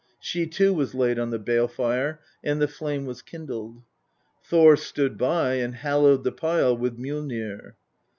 She too was laid on the bale tire, and the flame was kindled. Thor stood by, and hallowed the pile with Mjollnir.